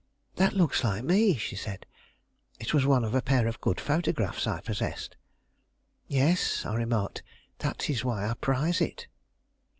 "That looks like me," she said. It was one of a pair of good photographs I possessed. "Yes," I remarked, "that is why I prize it."